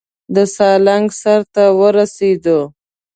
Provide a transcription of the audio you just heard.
د سالنګ سر ته ورسېدو.